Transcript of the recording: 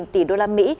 ba tỷ usd